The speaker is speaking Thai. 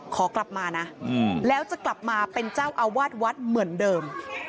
ขอกลับมานะแล้วจะกลับมาเป็นเจ้าอาวาสวัดเหมือนเดิม